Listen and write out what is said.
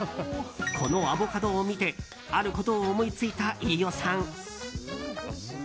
このアボカドを見てあることを思いついた飯尾さん。